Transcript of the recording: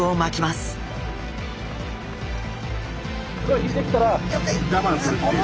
すごい引いてきたら我慢するっていう。